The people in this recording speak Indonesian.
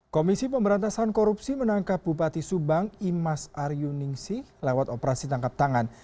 komisi pemberantasan korupsi menangkap bupati subang imas aryu ningsih lewat operasi tangkap tangan